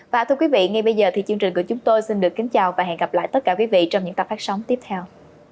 và thưa quý vị ngay bây giờ thì chương trình của chúng tôi xin được kính chào và hẹn gặp lại tất cả quý vị trong những tập phát sóng tiếp theo